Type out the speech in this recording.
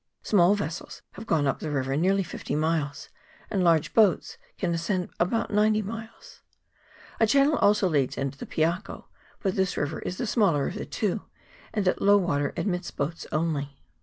Small vessels have gone up the river nearly fifty miles, and large boats can ascend about ninety miles. A channel also leads into the Piako, but this river is the smaller of the two, and at low water admits boats only.